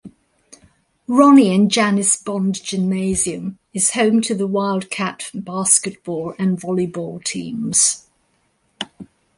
Ronnie and Janis Bond Gymnasium is home to the Wildcat basketball and volleyball teams.